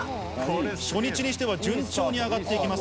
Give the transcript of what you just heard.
初日にしては順調に上がっていきます。